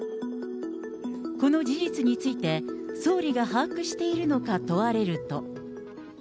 この事実について、総理が把握しているのか問われると。